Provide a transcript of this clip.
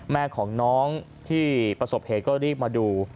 แม่ของน้องที่ประสบเหตุก็รีบมาดู